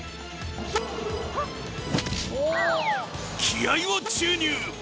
気合いを注入！